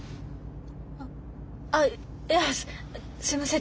ああっいやすいません。